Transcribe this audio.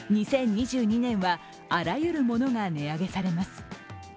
２０２２年はあらゆるものが値上げされます。